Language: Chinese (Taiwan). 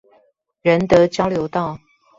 仁德交流道